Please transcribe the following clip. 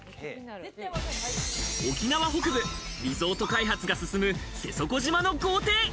沖縄北部、リゾート開発が進む瀬底島の豪邸。